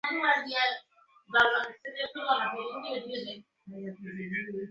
তিনি pontifical academy of সায়েন্সেস-এর সদস্য নিযুক্ত হন।